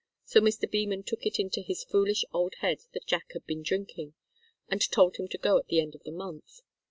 So Mr. Beman took it into his foolish old head that Jack had been drinking, and told him to go at the end of the month.